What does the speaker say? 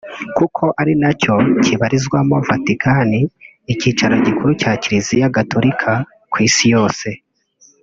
kuko ari na cyo kibarizwamo Vatikani icyicaro gikuru cya Kiliziya gatulika ku isi yose